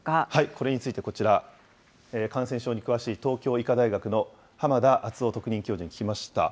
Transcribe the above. これについて、こちら感染症に詳しい東京医科大学の濱田篤郎特任教授に聞きました。